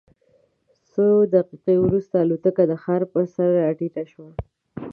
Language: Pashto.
څو دقیقې وروسته الوتکه د ښار پر سر راټیټه شوه.